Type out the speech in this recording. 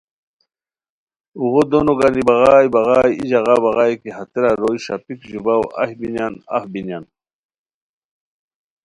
اوغو دونو گانی بغائے بغائے ای ژاغا بغائے کی ہتیرا روئے ݰاپیک ژیباؤ اہی بینیان اف بینیان